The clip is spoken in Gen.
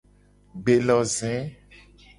Gbeloze.